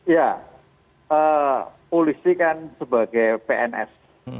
ya polisi kan sebagai pns